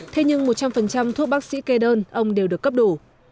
thế nhưng một trăm linh thuốc bác sĩ kê đơn ông đều được cấp đủ